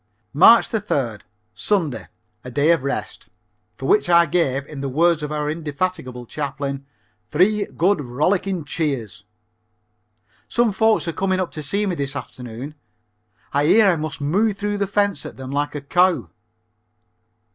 March 3d. Sunday a day of rest, for which I gave, in the words of our indefatigable Chaplain, "three good, rollicking cheers." Some folks are coming up to see me this afternoon. I hear I must moo through the fence at them like a cow.